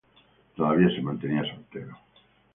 Todavía se mantenía soltero.